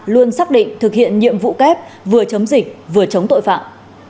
luôn xác định thực hiện nhiệm vụ kép vừa chống dịch vừa chống tội phạm